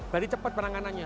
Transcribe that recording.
berarti cepat peranganannya